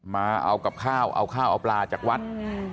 มาเอากับข้าวเอาข้าวเอาปลาจากวัด